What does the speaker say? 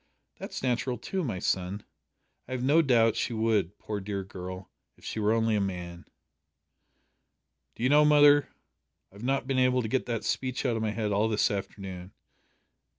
'" "That's natural too, my son. I have no doubt she would, poor dear girl, if she were only a man." "Do you know, mother, I've not been able to get that speech out of my head all this afternoon.